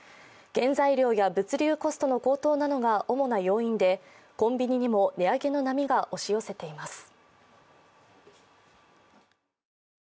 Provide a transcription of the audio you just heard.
原材料や物流コストの高騰などが主な要因でコンビニにも値上げの波が押し寄せています。